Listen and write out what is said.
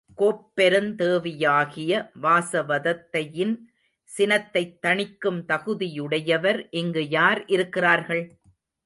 கோப்பெருந்தேவியாகிய வாசவதத்தையின் சினத்தைத் தணிக்கும் தகுதியுடையவர் இங்கு யார் இருக்கிறார்கள்?